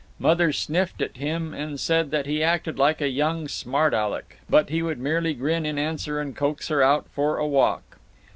Mother sniffed at him and said that he acted like a young smart Aleck, but he would merely grin in answer and coax her out for a walk.